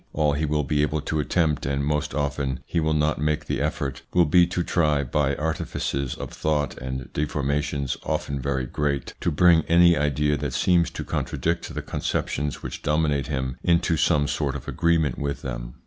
All he will be able to attempt, and most often he will not make the effort, will be to try, by artifices of thought and deformations often very great, to bring any idea that seems to contradict the con ceptions which dominate him, into some sort of agreement with them.